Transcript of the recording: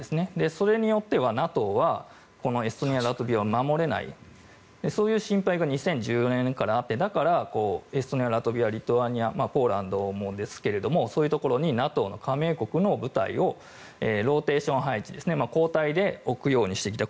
それによってはＮＡＴＯはリトアニア、ラトビアを守れないそういう心配が２０１４年からあってだから、エストニア、ラトビアリトアニアポーランドもですけどそういうところにＮＡＴＯの加盟国の部隊をローテーションですけれど交代で置くようにしてきた。